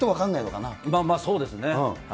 まあまあそうですね。